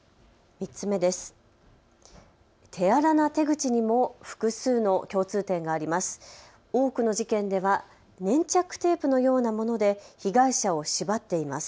３つ目です。